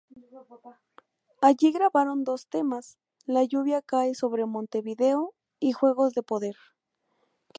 Allí grabaron dos temas: "La lluvia cae sobre Montevideo" y "Juegos de poder".